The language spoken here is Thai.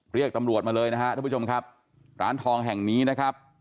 เรียกตำรวจมาเลยนะฮะท่านผู้ชมครับร้านทองแห่งนี้นะครับ